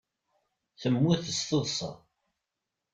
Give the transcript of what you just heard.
Temmut s taḍsa.